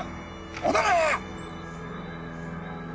戻れ！